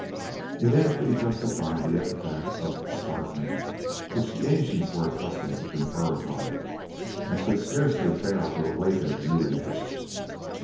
It amply justified the epithet of "sparkling" which the ancients were accustomed to confer upon it, and could scarcely fail to awaken a new interest.